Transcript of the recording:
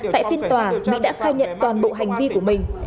tại phiên tòa mỹ đã khai nhận toàn bộ hành vi của mình